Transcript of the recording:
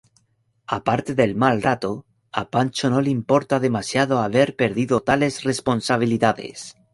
Aparte del mal rato, a Pancho no le importa demasiado haber perdido tales responsabilidades.